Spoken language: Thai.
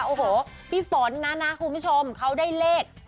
โอ้โหพี่ฝนนะนะคุณผู้ชมเขาได้เลข